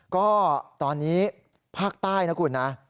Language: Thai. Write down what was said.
ก็ตอนนี้ภาคใต้นะคุณนะ